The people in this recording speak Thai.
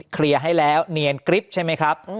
เคลียร์ให้แล้วเนียนกริ๊บใช่ไหมครับ